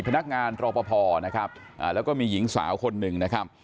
พนักงานรอปภนะครับแล้วก็มีหญิงสาวคนหนึ่งนะครับ